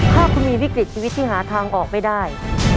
ถ้าคุณมีวิกฤตชีวิตที่หาทางออกไม่ได้